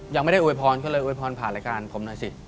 ยังไม่ได้อวยพรก็เลยอวยพรผ่านรายการผมหน่อยสิ